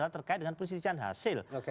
terkait dengan persisian hasil